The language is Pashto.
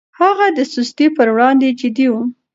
هغه د سستي پر وړاندې جدي و.